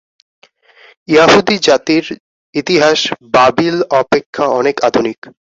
য়াহুদী জাতির ইতিহাস বাবিল অপেক্ষা অনেক আধুনিক।